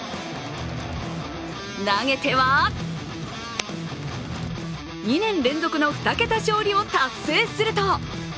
投げては２年連続の２桁勝利を達成すると。